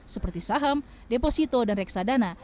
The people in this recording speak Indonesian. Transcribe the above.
seperti saham deposito dan reksadana